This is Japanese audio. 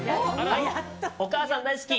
お母さん大好き！